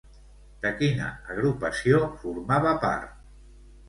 De quina agrupació formava part?